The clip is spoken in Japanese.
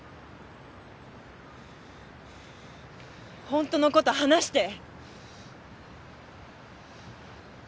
本当の事話して！